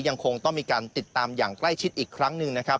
ยังคงต้องมีการติดตามอย่างใกล้ชิดอีกครั้งหนึ่งนะครับ